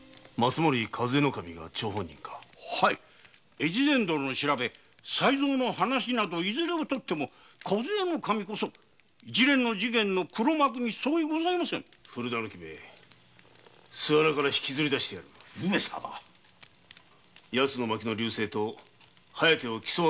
大岡殿の調べ才三の話などいずれをとっても主計頭こそ一連の事件の黒幕に相違ございませぬ古ダヌキめ巣穴からひきずりだしてやるヤツの牧の「流星」と「疾風」を競わせようではないか。